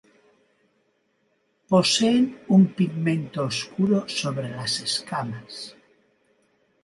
Poseen un pigmento oscuro sobre las escamas.